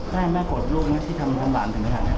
ใช่แม่โกรธลูกไม่ใช่ทำทำร้านถึงทางนี้